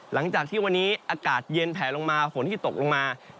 หลังจากที่วันนี้อากาศเย็นแผลลงมาฝนที่ตกลงมา